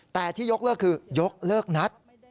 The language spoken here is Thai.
แต่ที่ยกเลิกคือยกเลิกนัด